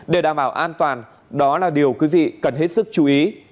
để đảm bảo an toàn đó là điều quý vị cần hết sức chú ý